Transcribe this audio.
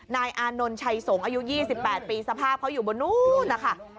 นายอานนท์ชัยสงฆ์อายุ๒๘ปีสภาพเขาอยู่บนนู้นนะคะ